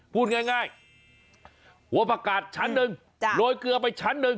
พูดง่ายหัวประกาศชั้นหนึ่งโรยเกลือไปชั้นหนึ่ง